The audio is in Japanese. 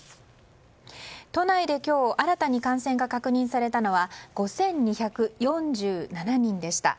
都内で今日新たに感染が確認されたのは５２４７人でした。